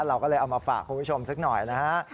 เราก็เลยเอามาฝากคุณผู้ชมสักหน่อยนะฮะ